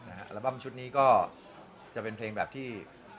อัลบั้มชุดนี้ก็จะเป็นเพลงแบบที่